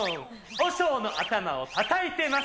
和尚の頭をたたいてます。